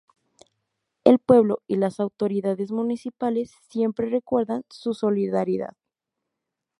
El pueblo y las autoridades municipales siempre recuerdan su solidaridad.